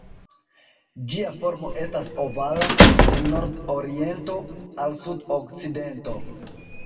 Ĝia formo estas ovala, de nord-oriento al sud-okcidento.